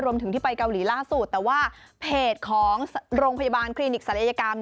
รวมถึงที่ไปเกาหลีล่าสุดแต่ว่าเพจของโรงพยาบาลคลินิกศัลยกรรม